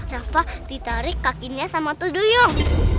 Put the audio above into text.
rafa ditarik kakinya sama hantu duyung